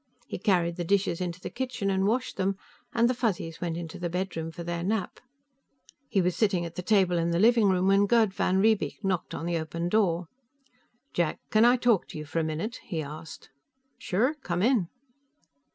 He carried the dishes into the kitchen and washed them, and the Fuzzies went into the bedroom for their nap. He was sitting at the table in the living room when Gerd van Riebeek knocked on the open door. "Jack, can I talk to you for a minute?" he asked. "Sure. Come in."